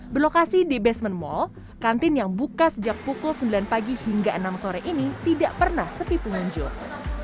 berlokasi di basement mall kantin yang buka sejak pukul sembilan pagi hingga enam sore ini tidak pernah sepi pengunjung